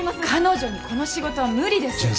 彼女にこの仕事は無理です。